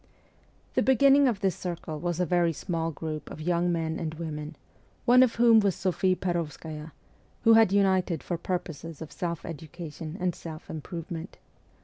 The beginning of this circle was a very small group of young men and women one of whom was Sophie Per6vskaya who had united for purposes of self education and self improvement.